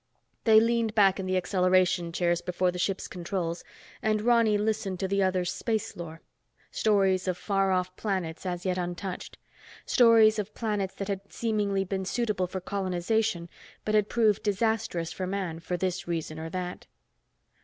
They leaned back in the acceleration chairs before the ship's controls and Ronny listened to the other's space lore. Stories of far planets, as yet untouched. Stories of planets that had seemingly been suitable for colonization, but had proved disastrous for man, for this reason or that.